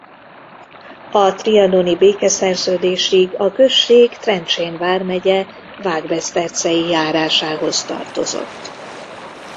A trianoni békeszerződésig a község Trencsén vármegye Vágbesztercei járásához tartozott.